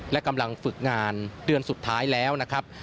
และกำลังฝึกงานเดือนสุดท้ายแล้วนะครับ